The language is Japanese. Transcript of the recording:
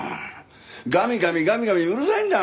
ガミガミガミガミうるさいんだよ